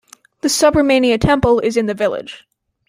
The Subramania Temple is in the village.